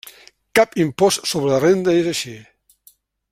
Cap impost sobre la renda és així.